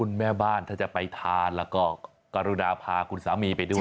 แม่บ้านถ้าจะไปทานแล้วก็กรุณาพาคุณสามีไปด้วย